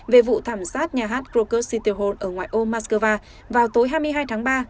về vụ thảm sát nhà hát croker city hall ở ngoài ô moscow vào tối hai mươi hai tháng ba